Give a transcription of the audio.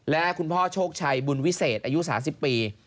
และคุณพ่อโชคชัยบุญวิเศษอายุ๓๐ปี